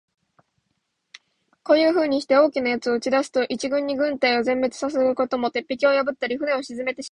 こういうふうにして、大きな奴を打ち出すと、一度に軍隊を全滅さすことも、鉄壁を破ったり、船を沈めてしまうこともできます。